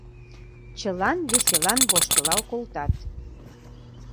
Чылан веселан воштылал колтат.